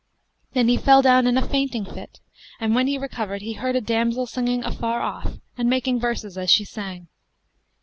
Then he fell down in a fainting fit and, when he recovered he heard a damsel singing afar off and making verses as she sang.